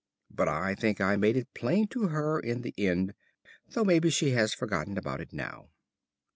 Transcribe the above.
But I think I made it plain to her in the end, though maybe she has forgotten about it now.